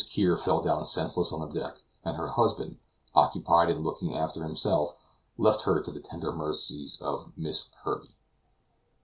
Kear fell down senseless on the deck, and her husband, occupied in looking after himself, left her to the tender mercies of Miss Herbey.